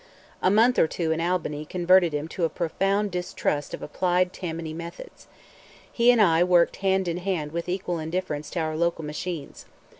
A month or two in Albany converted him to a profound distrust of applied Tammany methods. He and I worked hand in hand with equal indifference to our local machines.